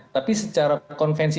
tapi secara konvensi